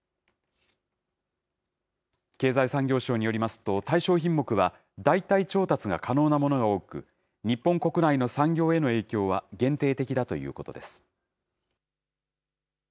経済産業省によりますと、対象品目は、代替調達が可能なものが多く、日本国内の産業への影響は限定的だということです。